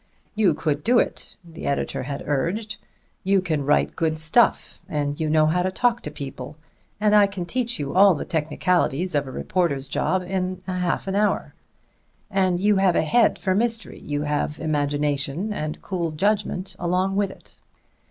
"You could do it," the editor had urged. "You can write good stuff, and you know how to talk to people, and I can teach you all the technicalities of a reporter's job in half an hour. And you have a head for a mystery; you have imagination and cool judgment along with it.